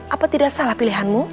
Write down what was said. apa tidak salah pilihanmu